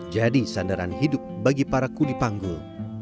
jadi sandaran hidup bagi para kudipanggul